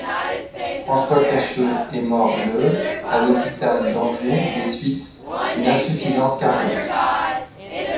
François Cacheux est mort le à l’hôpital d’Angers des suites d’une insuffisance cardiaque.